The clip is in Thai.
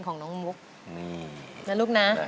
สังสรรค์